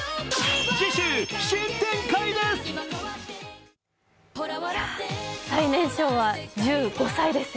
次週、新展開です。